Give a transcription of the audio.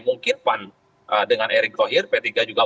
mungkin pan dengan erik zohir p tiga juga mungkin akan menyorongkan